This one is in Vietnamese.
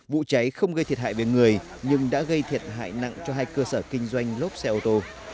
vụ cháy không gây thiệt hại về người nhưng đã gây thiệt hại nặng cho hai cơ sở kinh doanh lốp xe ô tô